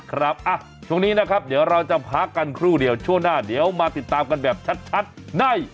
ครับช่วงนี้นะครับเดี๋ยวเราจะพักกันครู่เดียวช่วงหน้าเดี๋ยวมาติดตามกันแบบชัดใน